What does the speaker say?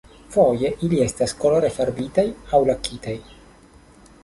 Foje ili estas kolore farbitaj aŭ lakitaj.